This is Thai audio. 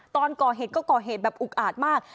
ตอนก่อเหตุก็ก่อเหตุแบบอุกอาจมาก